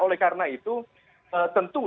oleh karena itu tentu